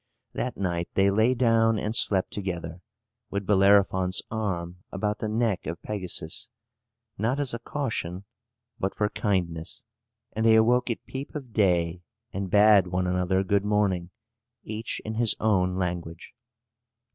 That night they lay down and slept together, with Bellerophon's arm about the neck of Pegasus, not as a caution, but for kindness. And they awoke at peep of day, and bade one another good morning, each in his own language.